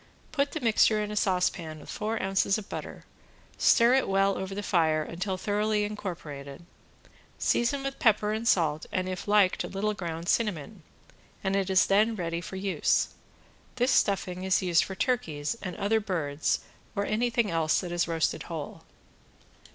Put the mixture in a saucepan with four ounces of butter, stir it well over the fire until thoroughly incorporated, season with pepper and salt and if liked a little ground cinnamon, and it is then ready for use. This stuffing is used for turkeys and other birds or anything else that is roasted whole.